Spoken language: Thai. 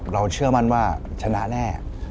เชื่อมั่นว่าชนะแน่